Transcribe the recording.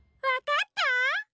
わかった？